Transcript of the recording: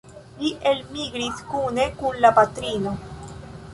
Li elmigris kune kun la patrino.